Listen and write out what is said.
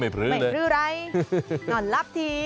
ไม่พรึ้งไรหล่อนลับที